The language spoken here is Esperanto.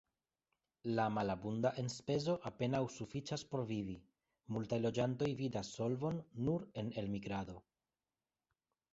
La malabunda enspezo apenaŭ sufiĉas por vivi, multaj loĝantoj vidas solvon nur en elmigrado.